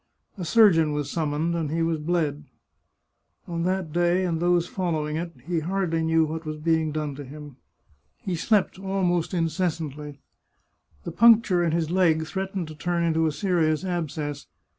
A surgeon was summoned and he was bled. On that day and those following it he hardly knew what was being done to him. He slept almost incessantly. 74 The Chartreuse of Parma The puncture in his leg threatened to turn into a serious abscess.